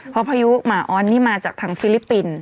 เพราะพายุหมาออนนี่มาจากทางฟิลิปปินส์